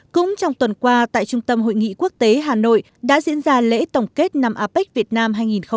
cũng trong tuần qua tại trung tâm hội nghị quốc tế hà nội đã diễn ra lễ tổng kết năm apec việt nam hai nghìn một mươi chín